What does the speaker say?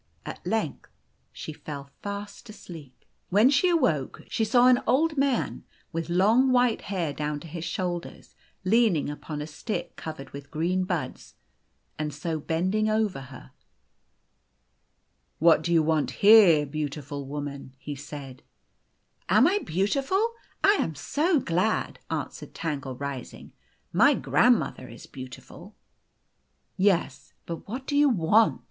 At length she fell fast asleep. When she awoke, she saw an old man with long white hair down to his shoulders, leaning upon a stick covered with green buds, and so bending over her. " What do you want here, beautiful woman ?" he said. " Am I beautiful ? I am so glad !" answered Tangle, rising. " My grandmother is beautiful." The Golden Key 199 " Yes. But what do you want